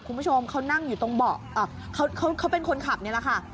คุณผู้ชมเขานั่งอยู่ตรงเบาะเขาเป็นคนขับนี่แหละค่ะ